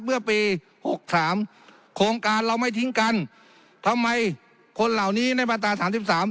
เมื่อปีหกสามโครงการเราไม่ทิ้งกันทำไมคนเหล่านี้ในมาตราสามสิบสาม